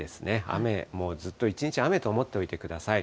雨、もうずっと一日雨と思っておいてください。